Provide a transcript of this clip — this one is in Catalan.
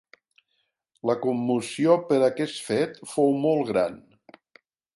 La commoció per aquest fet fou molt gran.